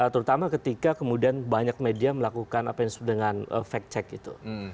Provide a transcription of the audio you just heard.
terutama ketika kemudian banyak media melakukan apa yang disebut dengan fact check itu